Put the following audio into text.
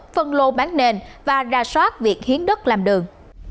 phân lô bán nền và ra soát việc hiến đất làm đường